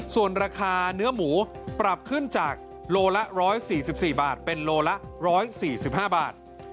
ส่วนราคาเนื้อหมูปรับขึ้นจากโลละ๑๔๔บาทเป็นโลละ๑๔๕บาท